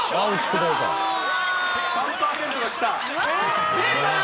３％が来た！